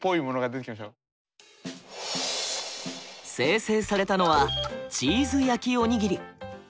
生成されたのはチーズ焼きおにぎり。